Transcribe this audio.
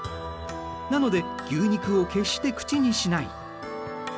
なので牛肉を決して口にしない。